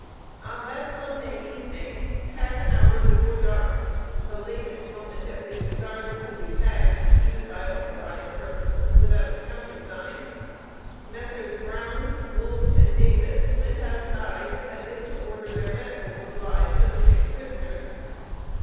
On that Sunday evening, half an hour before dark (the latest moment at which the guards could be passed, even by authorized persons, without the countersign), Messrs. Browne, Wolfe, and Davis, went outside, as if to order their medical supplies for the sick prisoners.